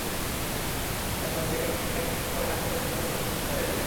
এখন জ্যাকেট টা গিয়ারের উপরে রাখতেও তোর জন্য একটু কঠিন হয়ে গেলো।